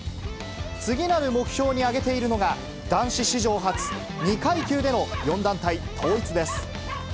次なる目標に挙げているのが、男子史上初、２階級での４団体統一です。